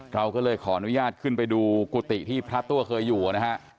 เราก็เลยขออนุญาตขึ้นไปดูกุฏิที่พระตัวเคยอยู่นะฮะ